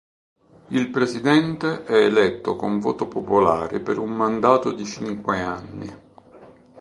Il presidente è eletto con voto popolare per un mandato di cinque anni.